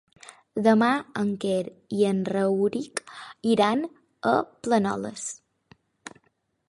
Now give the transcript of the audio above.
Demà en Quer i en Rauric iran a Planoles.